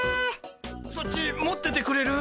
そっち持っててくれる？